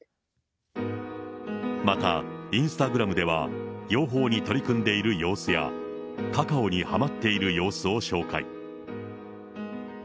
また、インスタグラムでは、養蜂に取り組んでいる様子や、カカオにはまっている様子を紹介。